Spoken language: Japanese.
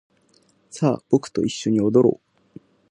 さあ僕と一緒に踊ろう